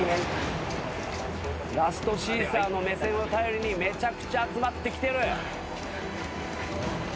ラストシーサーの目線を頼りにめちゃくちゃ集まってきてる。